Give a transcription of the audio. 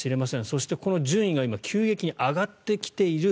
そして、この順位が今、急激に上がってきている。